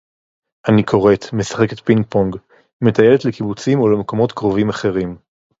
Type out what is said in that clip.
אני קוראת, משחקת פינג־פונג, מטיילת לקיבוצים או למקומות קרובים אחרים.